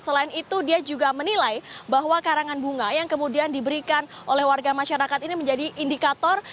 selain itu dia juga menilai bahwa karangan bunga yang kemudian diberikan oleh warga masyarakat ini menjadi indikator